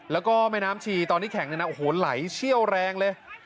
แล้วก็แม่น้ำชีตอนนี้แข็งเนี่ยนะโอ้โหไหลเชี่ยวแรงเลย